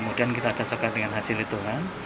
kemudian kita cocokkan dengan hasil hitungan